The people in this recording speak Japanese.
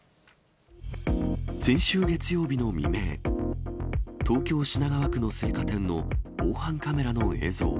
先週月曜日の未明、東京・品川区の青果店の防犯カメラの映像。